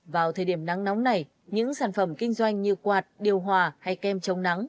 vào thời điểm nắng nóng này những sản phẩm kinh doanh như quạt điều hòa hay kem chống nắng